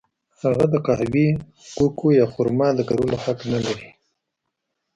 هغه د قهوې، کوکو یا خرما د کرلو حق نه لري.